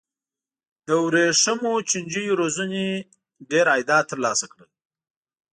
د ورېښمو چینجیو روزنې ډېر عایدات ترلاسه کړل.